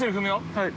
はい。